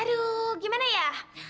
aduh gimana ya